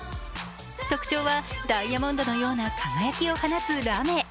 特徴はダイヤモンドのような輝きを放つラメ。